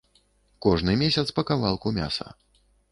Кожны месяц па кавалку мяса.